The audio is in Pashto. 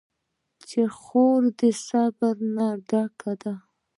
خور د صبر نه ډکه ده.